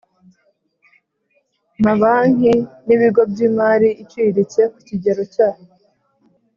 Mabanki N Ibigo By Imari Iciriritse Ku Kigero Cya